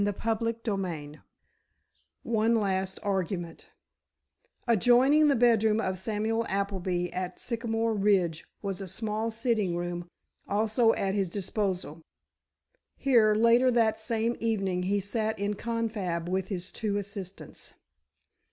CHAPTER III ONE LAST ARGUMENT Adjoining the bedroom of Samuel Appleby at Sycamore Ridge was a small sitting room, also at his disposal. Here, later that same evening he sat in confab with his two assistants.